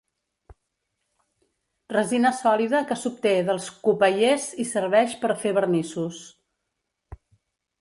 Resina sòlida que s'obté dels copaiers i serveix per fer vernissos.